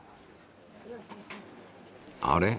あれ？